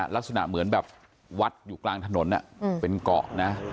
ลักษณะเหมือนแบบวัดอยู่กลางถนนเป็นเกาะนะ